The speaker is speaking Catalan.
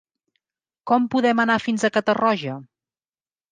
Com podem anar fins a Catarroja?